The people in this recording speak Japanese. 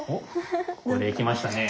ここできましたね。